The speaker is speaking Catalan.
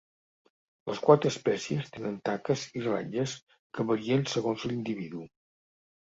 Les quatre espècies tenen taques i ratlles que varien segons l'individu.